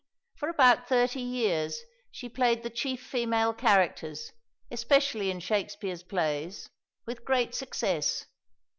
For about thirty years she played the chief female characters, especially in Shakspere's plays, with great success.